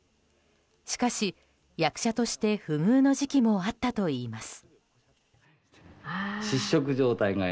しかし、役者として不遇の時期もあったといいます。